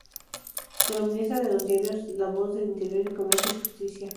Columnista de los diarios "La Voz del Interior" y "Comercio y Justicia".